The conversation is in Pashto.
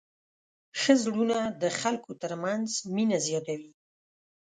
ښه زړونه د خلکو تر منځ مینه زیاتوي.